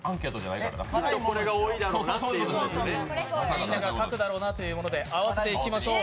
みんなが書くだろうなと思うもので合わせていきましょう。